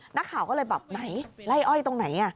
นักข่าวก็เลยแบบไหนไล่อ้อยตรงไหน